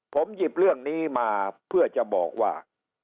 ผมหยิบเรื่องนี้มาเพื่อจะบอกว่า